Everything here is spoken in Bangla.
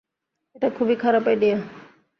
এটা খুবই খারাপ আইডিয়া!